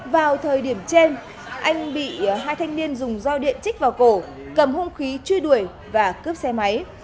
vào thời điểm trên anh bị hai thanh niên dùng do điện trích vào cổ cầm hôn khí truy đuổi và cướp xe máy